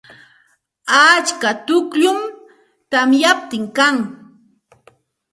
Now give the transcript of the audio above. Atska tukllum tamyaptin kan.